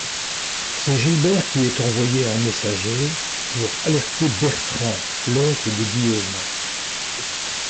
C'est Gilbert qui est envoyé en messager pour alerter Bertrand, l'oncle de Guillaume.